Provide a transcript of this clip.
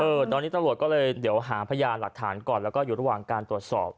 ตอนนี้ตำรวจก็เลยเดี๋ยวหาพยานหลักฐานก่อนแล้วก็อยู่ระหว่างการตรวจสอบ